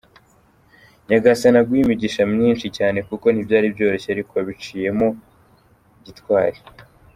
Nyagasani aguhe imigisha myinshi cyane kuko ntibyari byoroshye ariko wabiciyemo gitwari.